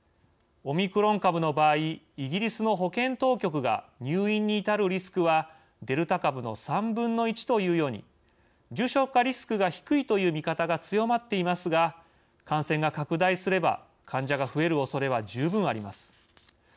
オミクロン株の場合イギリスの保健当局が入院に至るリスクはデルタ株の３分の１というように重症化リスクが低いという見方が強まっていますが感染が拡大すれば、患者が増えるおそれは十分あります。